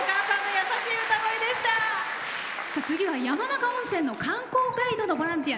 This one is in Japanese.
次は山中温泉の観光ガイドのボランティア。